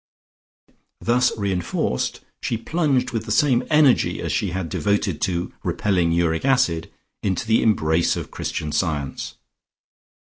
Thus reinforced, she plunged with the same energy as she had devoted to repelling uric acid into the embrace of Christian Science.